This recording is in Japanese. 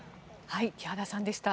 木原さんでした。